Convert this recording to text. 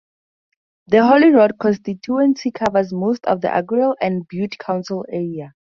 The Holyrood constituency covers most of the Argyll and Bute council area.